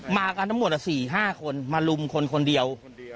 มากันทั้งหมด๔๕คนมาลุมคนคนเดียว